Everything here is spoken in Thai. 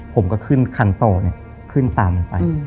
ผมก็ขึ้นคันต่อเนี่ยขึ้นตามมันไป